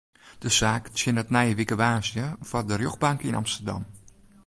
De saak tsjinnet nije wike woansdei foar de rjochtbank yn Amsterdam.